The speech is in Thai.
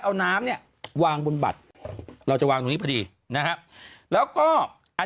เอาน้ำเนี่ยวางบนบัตรเราจะวางตรงนี้พอดีนะฮะแล้วก็อัน